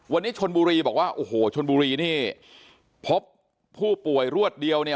วันนี้ชนบุรีบอกว่าโอ้โหชนบุรีนี่พบผู้ป่วยรวดเดียวเนี่ย